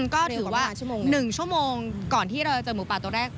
ก็ถือว่า๑ชั่วโมงก่อนที่เราจะเจอหมูป่าตัวแรก